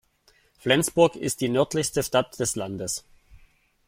Flensburg ist die nördlichste Stadt des Landes.